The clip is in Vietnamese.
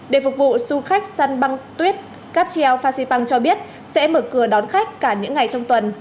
để phục vụ du khách săn băng tuyết capgeo phan xipang cho biết sẽ mở cửa đón khách cả những ngày trong tuần